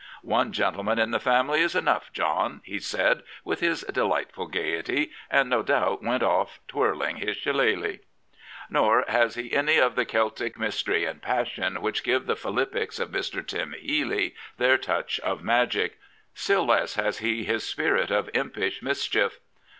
" One gentleman in the family is enough, John," he said with his delightful gaiety, and no doubt went ofi twirling his shillelagh. Nor has he any of that Celtic mystery and passion which give the philippics of Mr. " Tim " Healy their touch of magic. Still less has he his spirit of impish mischief.